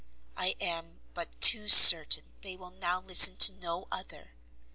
I am but too certain they will now listen to no other.